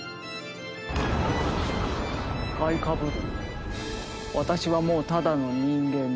買いかぶるな私はもうただの人間だ。